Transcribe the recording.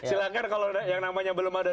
silahkan kalau yang namanya belum ada